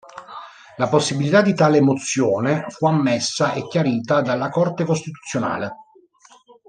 La possibilità di tale mozione fu ammessa e chiarita dalla Corte costituzionale.